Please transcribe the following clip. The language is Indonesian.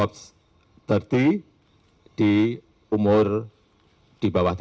umur dua puluh sembilan tahun s dua nya ganda lulusan harvard university dan stanford university di amerika serikat